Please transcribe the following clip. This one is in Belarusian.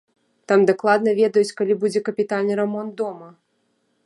Там дакладна ведаюць, калі будзе капітальны рамонт дома.